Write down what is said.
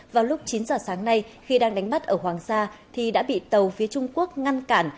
vào lúc chín giờ sáng nay khi đang đánh bắt ở hoàng sa thì đã bị tàu phía trung quốc ngăn cản